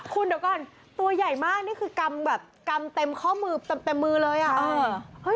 คุณเดี๋ยวก่อนตัวใหญ่มากนี่คือกำเต็มข้อมือตัมเป็มมือเลย